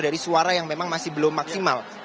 dari suara yang memang masih belum maksimal